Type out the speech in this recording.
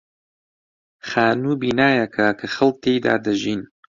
خانوو بینایەکە کە خەڵک تێیدا دەژین.